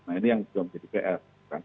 nah ini yang juga menjadi pr